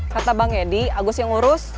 kata bang yedi agus yang urus